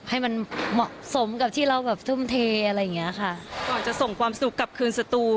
ให้มันเหมาะสมกับที่เราแบบทุ่มเทอะไรอย่างเงี้ยค่ะก่อนจะส่งความสุขกลับคืนสตู